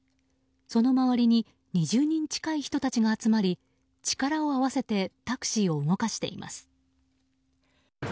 その周りに２０人近い人たちが集まり力を合わせてタクシーを動かしています。